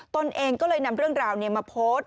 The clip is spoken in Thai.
ตนเองก็เลยนำเรื่องราวมาโพสต์